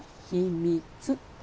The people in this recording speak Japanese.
秘密。